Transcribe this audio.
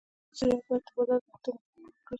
سبزیجات باید د بازار د اړتیاوو مطابق وکرل شي.